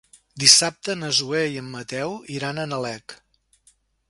Dissabte na Zoè i en Mateu iran a Nalec.